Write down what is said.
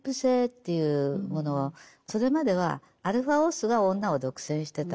それまではアルファオスが女を独占してた。